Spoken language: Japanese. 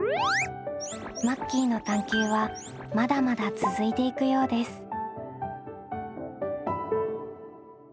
マッキーの探究はまだまだ続いていくようです。